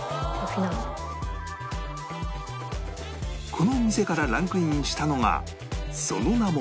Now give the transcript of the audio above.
この店からランクインしたのがその名も